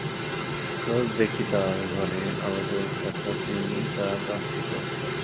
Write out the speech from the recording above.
রোজ রাতে দেখি তাঁর ঘরে আলো জ্বলছে অর্থাৎ তিনি তাঁর কাজটি করছেন।